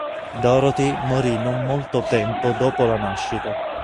Dorothy morì non molto tempo dopo la nascita.